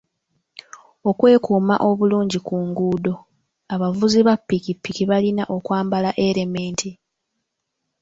Okwekuuma obulungi ku nguudo, abavuzi ba ppikipiki balina okwambala erementi.